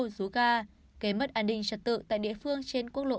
dù ca kế mất an ninh trật tự tại địa phương trên quốc lộ một a